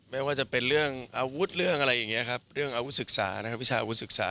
ไม่ว่าจะเป็นเรื่องอาวุธเรื่องอะไรอย่างนี้ครับเรื่องอาวุธศึกษานะครับวิชาอาวุศึกษา